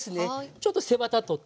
ちょっと背ワタ取って。